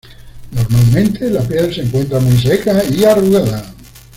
Normalmente la piel se encuentra muy seca y arrugada.